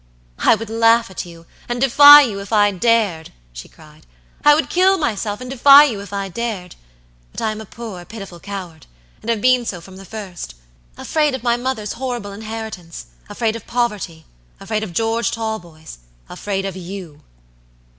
"I would laugh at you and defy you, if I dared," she cried; "I would kill myself and defy you, if I dared. But I am a poor, pitiful coward, and have been so from the first. Afraid of my mother's horrible inheritance; afraid of poverty; afraid of George Talboys; afraid of you."